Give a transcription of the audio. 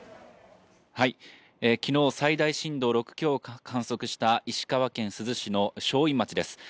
昨日、最大震度６強を観測した石川県珠洲市の正院町です。